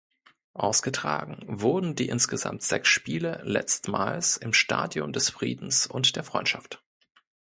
Ausgetragen wurden die insgesamt sechs Spiele letztmals im Stadion des Friedens und der Freundschaft.